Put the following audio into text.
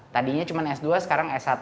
tadinya cuma s dua sekarang s satu